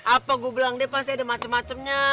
apa gue bilang dia pasti ada macem macemnya